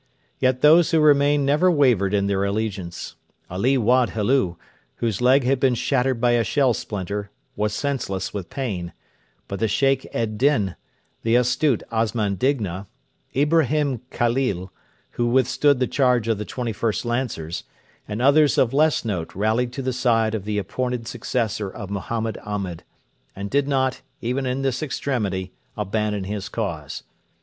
Yet those who remained never wavered in their allegiance. Ali Wad Helu, whose leg had been shattered by a shell splinter, was senseless with pain; but the Sheikh ed Din, the astute Osman Digna, Ibrahim Khalil, who withstood the charge of the 21st Lancers, and others of less note rallied to the side of the appointed successor of Mohammed Ahmed, and did not, even in this extremity, abandon his cause.